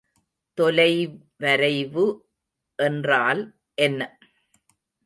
தொலைவரைவு என்றால் என்ன?